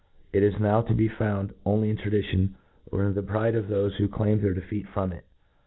is now t6 be found only in Jradition, or in the pride of thofe who claim their defcent from it.